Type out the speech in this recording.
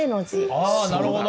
ああなるほど！